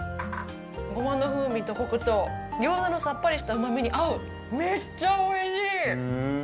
ゴマの風味とコクと餃子のさっぱりしたうまみに合うめっちゃおいしい！